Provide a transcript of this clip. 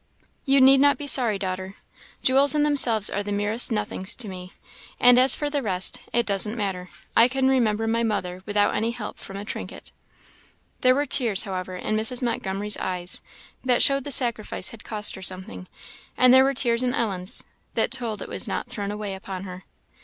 "You need not be sorry, daughter. Jewels in themselves are the merest nothings to me; and as for the rest, it doesn't matter; I can remember my mother without any help from a trinket." There were tears, however, in Mrs. Montgomery's eyes, that showed the sacrifice had cost her something; and there were tears in Ellen's, that told it was not thrown away upon her.